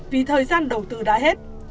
vì thời gian đầu tư đã hết